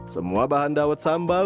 semua bahan dawet sambal